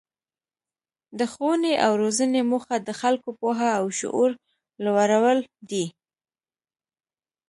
د ښوونې او روزنې موخه د خلکو پوهه او شعور لوړول دي.